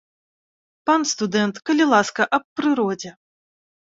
Пан студэнт, калі ласка, аб прыродзе.